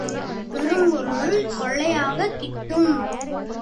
பெரும் பொருள் கொள்ளையாகக் கிட்டும்.